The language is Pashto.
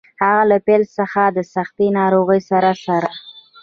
هغه له پیل څخه د سختې ناروغۍ سره سره.